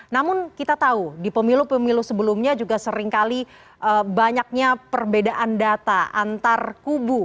namun kita tahu di pemilu pemilu sebelumnya juga seringkali banyaknya perbedaan data antar kubu